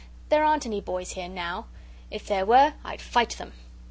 "There aren't any boys here now. If there were, I'd fight them."